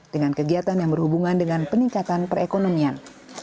dengan kegiatan yang berhubungan dengan peningkatan perekonomian